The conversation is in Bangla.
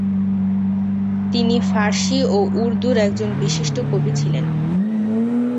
তিনি ফারসি ও উর্দুর একজন বিশিষ্ট কবি ছিলেন।